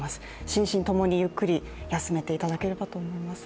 心身共にゆっくり休めていただければと思います。